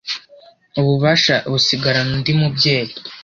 ububasha busigarana undi mubyeyi